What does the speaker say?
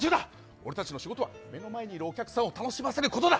俺たちの仕事は目の前にいるお客さんを楽しませることだ。